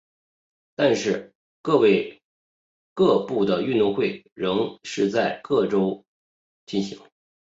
但是各部的运动会仍是在各部进行。